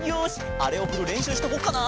あれをふるれんしゅうしとこっかな。